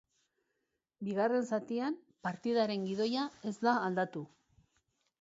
Bigarren zatian, partidaren gidoia ez da aldatu.